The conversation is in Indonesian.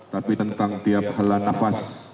tapi tentang tiap helah nafas